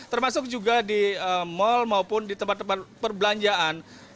termasuk juga di mal maupun di tempat tempat perbelanjaan